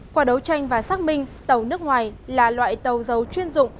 qua đấu tranh và xác minh tàu nước ngoài là loại tàu dầu chuyên dụng